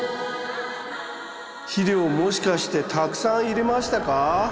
肥料もしかしてたくさん入れましたか？